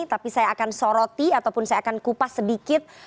tapi saya akan soroti ataupun saya akan kupas sedikit